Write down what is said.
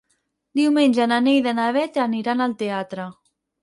Diumenge na Neida i na Bet aniran al teatre.